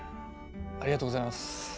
ありがとうございます。